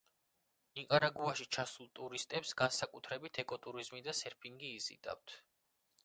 ნიკარაგუაში ჩასულ ტურისტებს განსაკუთრებით ეკოტურიზმი და სერფინგი იზიდავთ.